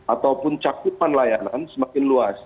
ataupun cakupan layanan semakin luas